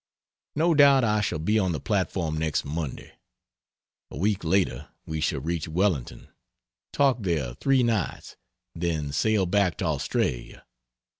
No doubt I shall be on the platform next Monday. A week later we shall reach Wellington; talk there 3 nights, then sail back to Australia.